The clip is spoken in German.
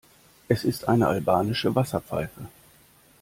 Es ist eine albanische Wasserpfeife.